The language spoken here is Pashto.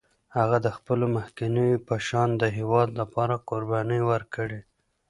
هغه د خپلو مخکینو په شان د هېواد لپاره قربانۍ وکړې.